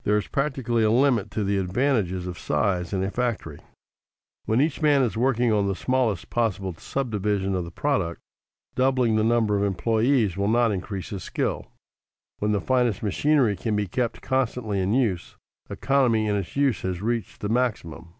_ There is practically a limit to the advantages of size in a factory. When each man is working on the smallest possible subdivision of the product, doubling the number of employees will not increase his skill. When the finest machinery can be kept constantly in use, economy in its use has reached the maximum.